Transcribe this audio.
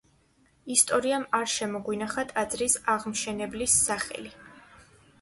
ისტორიამ არ შემოგვინახა ტაძრის აღმშენებლის სახელი.